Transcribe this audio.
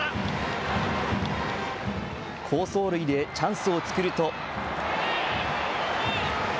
好走塁でチャンスを作ると。